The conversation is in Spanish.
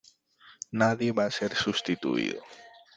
Nadie va a ser sustituido.